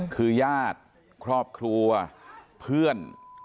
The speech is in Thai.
คือญาติครอบครัวเพื่อน